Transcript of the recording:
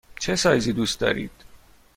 چه سایزی دوست دارید؟